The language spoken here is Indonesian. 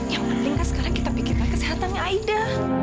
yang penting kan sekarang kita pikirkan kesehatannya aida